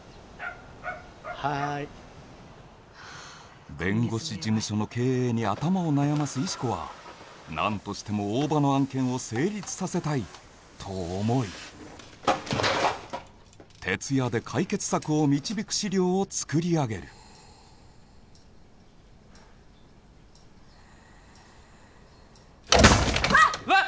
はい弁護士事務所の経営に頭を悩ます石子は何としても大庭の案件を成立させたいと思い徹夜で解決策を導く資料を作り上げるわっわっ